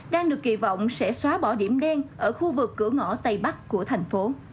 đang được kỳ vọng sẽ xóa bỏ điểm đen ở khu vực cửa ngõ tây bắc của thành phố